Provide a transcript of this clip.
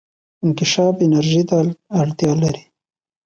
انکشاف انرژي ته اړتیا لري.